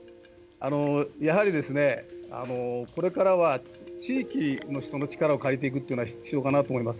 やはりですね、これからは地域の人の力を借りていくということが必要かなと思います。